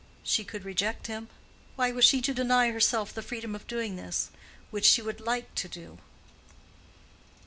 She could reject him. Why was she to deny herself the freedom of doing this—which she would like to do?